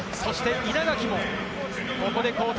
稲垣もここで交代。